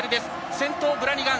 先頭、ブラニガン。